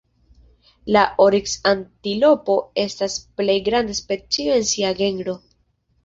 La oriks-antilopo estas plej granda specio en sia genro.